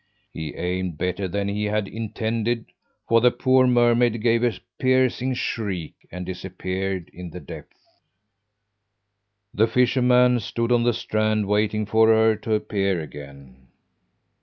He aimed better than he had intended, for the poor mermaid gave a piercing shriek and disappeared in the depths. "The fisherman stood on the strand waiting for her to appear again.